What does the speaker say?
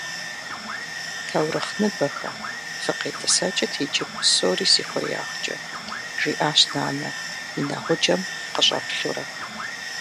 «Таурыхъныбэхэ, фӏыкъетӏысӏэкӏыт иджы псори си хъуреягъкӏэ»,- жиӏащ нэнэ и нэгъуджэм къыщӏэплъурэ.